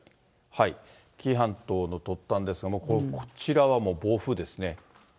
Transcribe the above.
紀伊半島の突端ですが、こちらはもう暴風ですね。